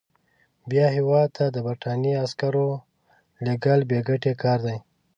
بیا هیواد ته د برټانوي عسکرو لېږل بې ګټې کار دی.